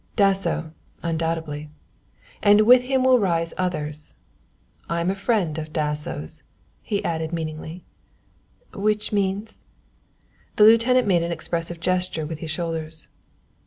"Dasso, undoubtedly and with him will rise others. I am a friend of Dasso's," he added meaningly. "Which means ?" The lieutenant made an expressive gesture with his shoulders.